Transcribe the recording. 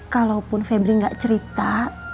kalaupun febri gak cerita